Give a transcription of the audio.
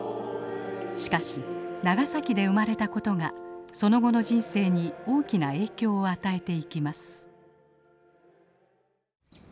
しかし長崎で生まれた事がその後の人生に大きな影響を与えていきます。